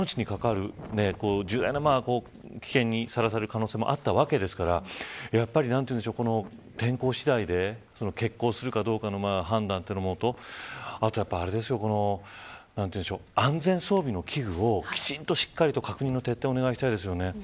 命に関わる重大な危険にさらされる可能性もあったわけですからやっぱり、天候次第で決行するかどうかの判断というのもあと安全装備の器具をしっかりと確認の徹底をお願いしたいですね。